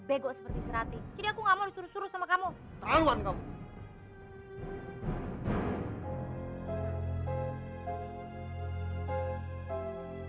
bego seperti serati jadi aku ngamu suruh suruh sama kamu kawan kau